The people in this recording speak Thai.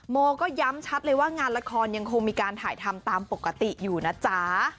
โมก็ย้ำชัดเลยว่างานละครยังคงมีการถ่ายทำตามปกติอยู่นะจ๊ะ